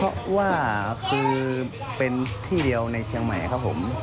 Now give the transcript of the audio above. เพราะว่าคือเป็นที่เดียวในเชียงใหม่ครับผม